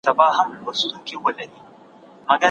فردي ملکیت د ټولني د پرمختګ عامل دی.